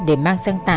để mang sang tạ lĩ